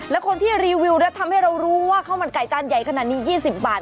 และคนที่รีวิวแล้วทำให้เรารู้ว่าข้าวมันไก่จานใหญ่ขนาดนี้๒๐บาท